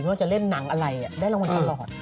ว่าจะเล่นหนังอะไรได้รางวัลตลอด